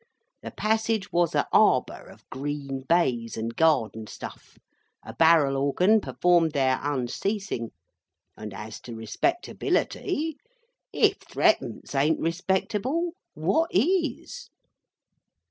The passage was a Arbour of green baize and gardenstuff. A barrel organ performed there unceasing. And as to respectability,—if threepence ain't respectable, what is?